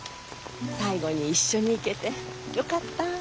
最後に一緒に行けてよかった。